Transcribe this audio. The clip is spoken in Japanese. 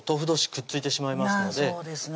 くっついてしまいますのでそうですね